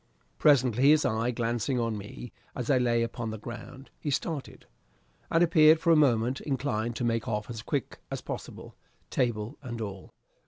Presently, his eye glancing on me as I lay upon the ground, he started, and appeared for a moment inclined to make off as quick as possible, table and all.